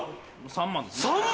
３万ですね。